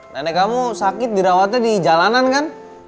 nenek kamu sakit dirawatnya di jalanan kan